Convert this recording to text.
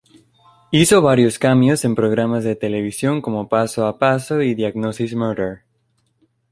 Hizo varios cameos en programas de televisión como "Paso a paso" y "Diagnosis Murder".